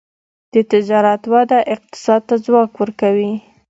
د تجارت وده اقتصاد ته ځواک ورکوي.